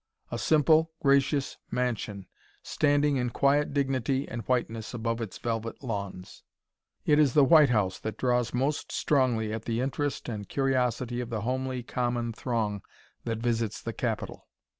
A simple, gracious mansion, standing in quiet dignity and whiteness above its velvet lawns. It is the White House that draws most strongly at the interest and curiosity of the homely, common throng that visits the capital.